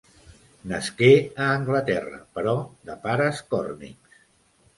Nasqué a Anglaterra, però de pares còrnics.